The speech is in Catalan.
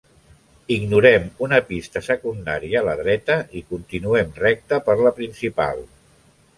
Ignorem una pista secundària a la dreta i continuem recte per la principal.